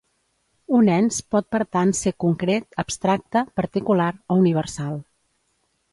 Un ens pot per tant ser concret, abstracte, particular o universal.